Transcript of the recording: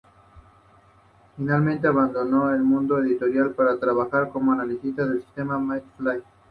Finalmente abandonó el mundo editorial para trabajar como analista de sistemas en MetLife.